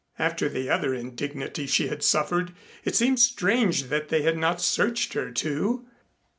After the other indignity she had suffered, it seemed strange that they had not searched her, too.